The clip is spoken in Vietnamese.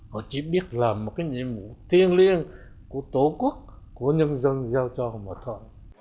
họ chỉ biết là một cái nhiệm vụ thiên liêng của tổ quốc của nhân dân giao cho một họ